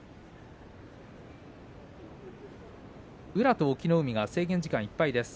宇良と隠岐の海制限時間いっぱいです。